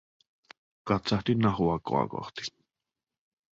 Katsahdin Nahuakoa kohti.